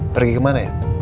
pergi kemana ya